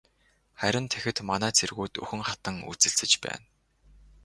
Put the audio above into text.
Харин тэгэхэд манай цэргүүд үхэн хатан үзэлцэж байна.